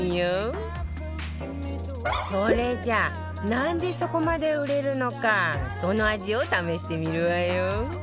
それじゃあなんでそこまで売れるのかその味を試してみるわよ